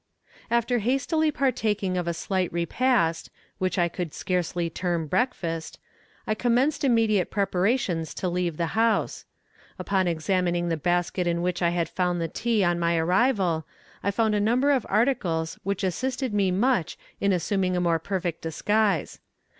After hastily partaking of a slight repast, which I could scarcely term breakfast, I commenced immediate preparations to leave the house. Upon examining the basket in which I had found the tea on my arrival, I found a number of articles which assisted me much in assuming a more perfect disguise.